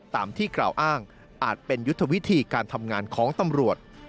ตามที่กล่าวอ้างอาจเป็นยุทธวิธีการทำงานของตำรวจ